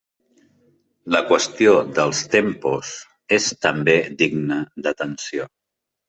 La qüestió dels tempos és també digna d'atenció.